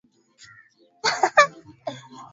alikuwa makamu wa mwenyekiti wa bunge la kitaifa